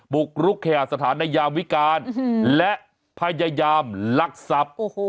บุกรุกเคหาสถานในยามวิการและพยายามลักทรัพย์